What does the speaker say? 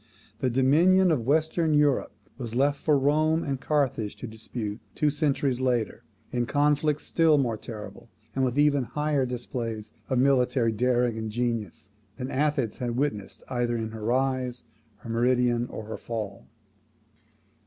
The dominion of Western Europe was left for Rome and Carthage to dispute two centuries later, in conflicts still more terrible, and with even higher displays of military daring and genius, than Athens had witnessed either in her rise, her meridian, or her fall.